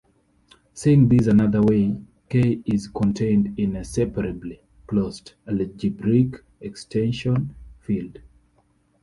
Saying this another way, "K" is contained in a "separably-closed" algebraic extension field.